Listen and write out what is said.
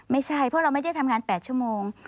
ไม่ใช่เพราะเราไม่ได้ทำงาน๘ชั่วโมง